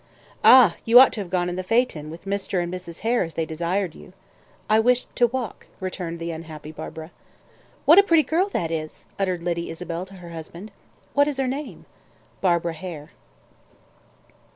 "Ah! You ought to have gone in the phaeton, with Mr. and Mrs. Hare as they desired you." "I wished to walk," returned the unhappy Barbara. "What a pretty girl that is!" uttered Lady Isabel to her husband. "What is her name?" "Barbara Hare."